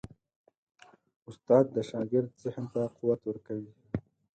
استاد د شاګرد ذهن ته قوت ورکوي.